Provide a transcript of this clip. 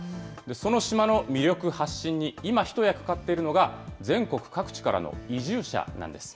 その島の魅力発信に今一役買っているのが、全国各地からの移住者なんです。